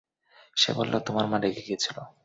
সে বলল তোমার মা রেগে গিয়েছিল।